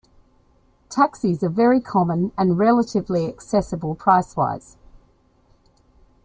Taxis are very common and relatively accessible price-wise.